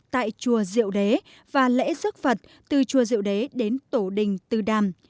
tại chùa diệu đế và lễ rước phật từ chùa diệu đế đến tổ đình từ đàm